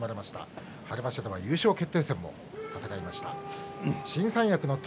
春場所では優勝決定戦もありました。